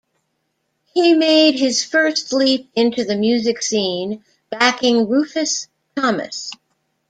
He made his first leap into the music scene backing Rufus Thomas.